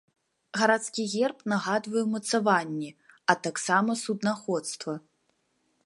Гарадскі герб нагадвае ўмацаванні, а таксама суднаходства.